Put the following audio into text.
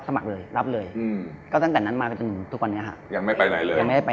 แต่ว่าอันนี้เอากลับได้ค่ะ